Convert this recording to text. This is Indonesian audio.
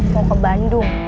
mau ke bandung